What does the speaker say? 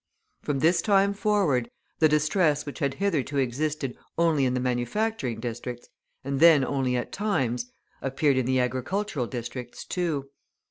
From this time forward, the distress which had hitherto existed only in the manufacturing districts, and then only at times, appeared in the agricultural districts too.